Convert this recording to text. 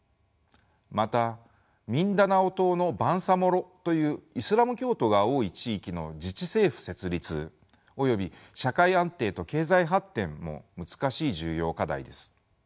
またミンダナオ島のバンサモロというイスラム教徒が多い地域の自治政府設立および社会安定と経済発展も難しい重要課題です。